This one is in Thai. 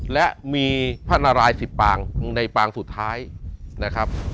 และมีพระนารายสิบปางในปางสุดท้ายนะครับ